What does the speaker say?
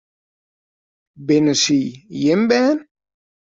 Binne sy jim bern?